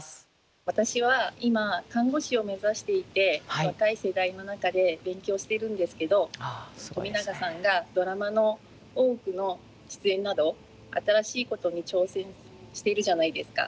私は今看護師を目指していて若い世代の中で勉強しているんですけど冨永さんがドラマの「大奥」の出演など新しいことに挑戦してるじゃないですか。